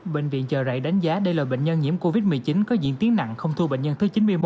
bệnh viện chờ rảy đánh giá đây là bệnh nhân nhiễm covid một mươi chín có diễn tiến nặng không thua bệnh nhân thứ chín mươi một